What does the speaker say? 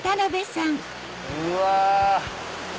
うわ！